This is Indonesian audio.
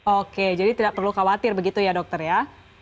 oke jadi tidak perlu khawatir begitu ya dokter ya